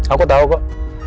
aku tahu kok